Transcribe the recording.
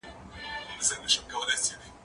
زه به اوږده موده موبایل کار کړی وم!.